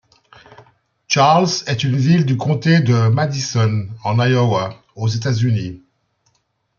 Charles est une ville du comté de Madison, en Iowa, aux États-Unis.